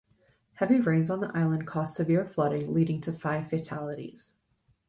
Heavy rains on the island caused severe flooding, leading to five fatalities.